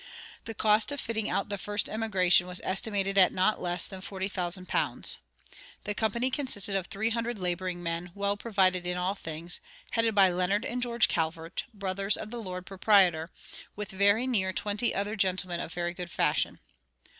The cost of fitting out the first emigration was estimated at not less than forty thousand pounds. The company consisted of "three hundred laboring men, well provided in all things," headed by Leonard and George Calvert, brothers of the lord proprietor, "with very near twenty other gentlemen of very good fashion."